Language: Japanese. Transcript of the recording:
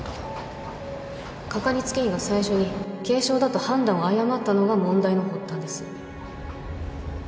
かかりつけ医が最初に軽症だと判断を誤ったのが問題の発端です